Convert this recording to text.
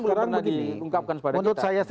belum pernah diungkapkan kepada kita